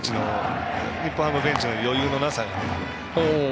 日本ハムベンチの余裕のなさが。